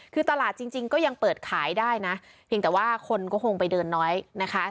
คือตลาดจริงก็ยังเปิดขายได้นะเพียงแต่ว่าคนก็คงไปเดินน้อยนะคะ